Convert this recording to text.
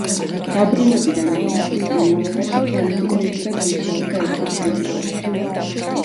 დაბრუნებიდან ათი წლის განმავლობაში ჯანეტი მედდად მუშაობდა ერთ-ერთ კლინიკაში.